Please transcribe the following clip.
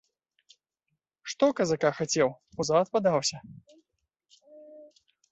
Што казака хацеў, узад падаўся.